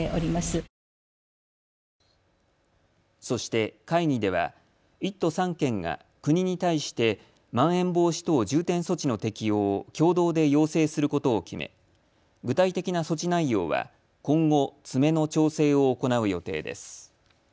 そして、会議では１都３県が国に対してまん延防止等重点措置の適用を共同で要請することを決め具体的な措置内容は今後、詰めの調整を行う予定です。